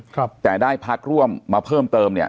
ครับแต่ได้พักร่วมมาเพิ่มเติมเนี้ย